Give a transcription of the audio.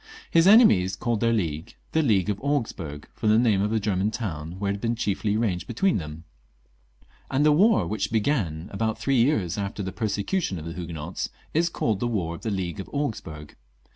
His enemies called their league the League of Augsburg, from the name of a German town, where it had been chiefly arranged be tween them ; and the war which began about three years after the persecution of the Huguenots, is caUed the War of the League of Augsburg.